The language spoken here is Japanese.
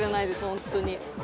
本当に。